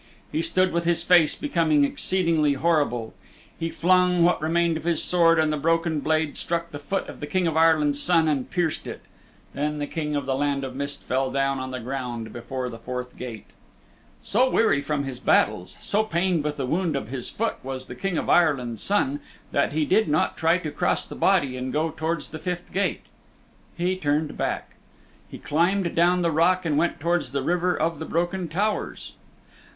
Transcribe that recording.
He stood with his face becoming exceedingly terrible. He flung what remained of his sword, and the broken blade struck the foot of the King of Ireland's Son and pierced it. Then the King of the Land of Mist fell down on the ground before the fourth gate. So weary from his battles, so pained with the wound of his foot was the King of Ireland's Son that he did not try to cross the body and go towards the fifth gate. He turned back. He climbed down the rock and went towards the River of the Broken Towers.